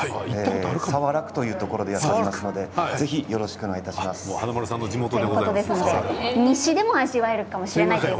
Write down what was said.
早良区というところでやっておりますので華丸さんの西でも味わえるかもしれません。